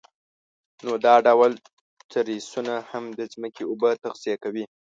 نو دا ډول تریسونه هم د ځمکې اوبه تغذیه کوي.